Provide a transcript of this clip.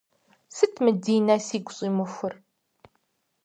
Сыт мы Динэ сигу щӏимыхур?